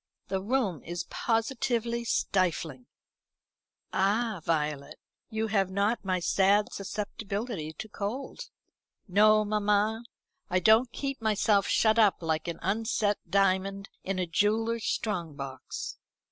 The room is positively stifling." "Ah Violet, you have not my sad susceptibility to cold." "No, mamma. I don't keep myself shut up like an unset diamond in a jeweller's strong box."